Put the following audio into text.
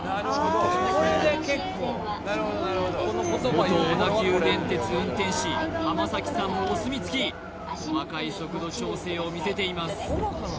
元小田急電鉄運転士濱崎さんもお墨付き細かい速度調整を見せています